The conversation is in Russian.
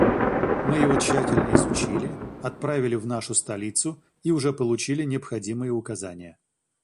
Мы его тщательно изучили, отправили в нашу столицу и уже получили необходимые указания.